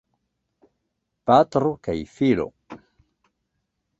Patro kaj filo.